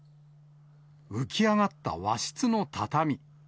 浮き上がった和室の畳。